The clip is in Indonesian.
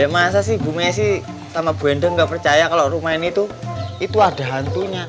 ya masa sih bu messi sama bu endang nggak percaya kalau rumah ini itu ada hantunya